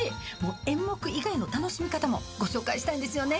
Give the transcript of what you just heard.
演目以外の楽しみ方もご紹介したいんですよね。